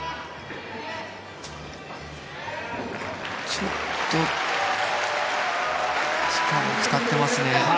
ちょっと力を使ってますね。